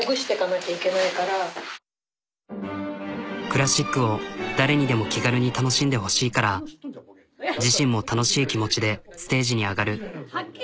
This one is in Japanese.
クラシックを誰にでも気軽に楽しんでほしいから自身も楽しい気持ちでステージに上がる。